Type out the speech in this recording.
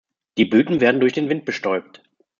Die Blüten werden durch den Wind bestäubt.